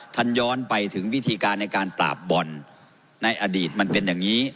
ย้อนไปถึงวิธีการในการปราบบ่อนในอดีตมันเป็นอย่างนี้